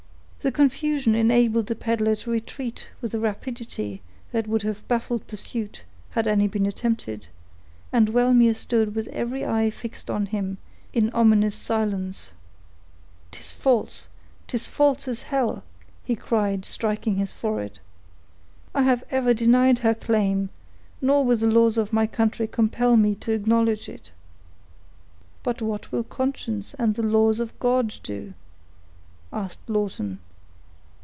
The confusion enabled the peddler to retreat with a rapidity that would have baffled pursuit, had any been attempted, and Wellmere stood with every eye fixed on him, in ominous silence. "'Tis false—'tis false as hell!" he cried, striking his forehead. "I have ever denied her claim; nor will the laws of my country compel me to acknowledge it." "But what will conscience and the laws of God do?" asked Lawton.